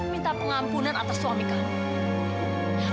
minta pengampunan atas suami kami